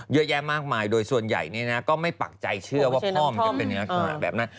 เยอะแยะมากมายโดยส่วนใหญ่ก็ไม่ปักใจเชื่อว่าพ่อมันจะเป็นในลักษณะแบบนั้น